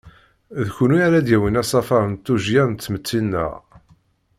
D kunwi ara d-yawin asafar n tujjya n tmetti-nneɣ.